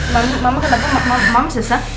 bagaimana dengan kamu